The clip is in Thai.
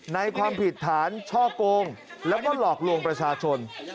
ความผิดฐานช่อโกงแล้วก็หลอกลวงประชาชน